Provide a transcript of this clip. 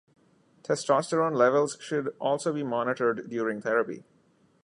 Testosterone levels should also be monitored during therapy.